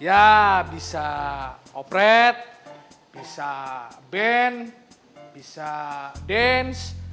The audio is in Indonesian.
ya bisa operate bisa band bisa dance